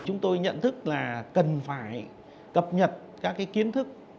chúng tôi nhận thức là cần phải cập nhật các kiến thức